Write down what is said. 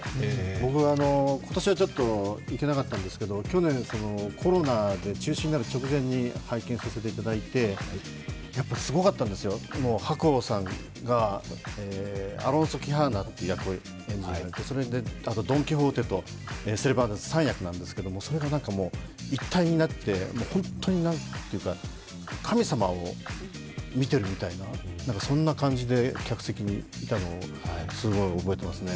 僕は今年、行けなかったんですけどコロナで中止になる直前に拝見させていただいてやっぱりすごかったんですよ、白鸚さんがアロンソ・キハーナっていう役とドン・キホーテと３役なんですけど、それが一体になって、本当に神様を見ているみたいなそんな感じで客席にいたのをすごい覚えていますね。